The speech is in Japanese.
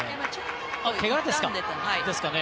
けがですかね。